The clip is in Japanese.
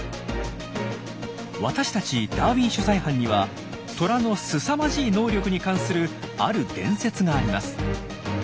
私たちダーウィン取材班にはトラのすさまじい能力に関するある伝説があります。